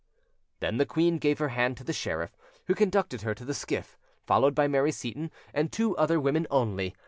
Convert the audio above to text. Then the queen gave her hand to the sheriff, who conducted her to the skiff, followed by Mary Seyton and two other women only.